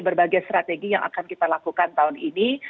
berbagai strategi yang akan kita lakukan tahun ini